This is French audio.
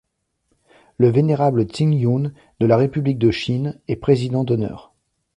Le Vénérable Hsing-Yun, de la République de Chine, est président d'honneur.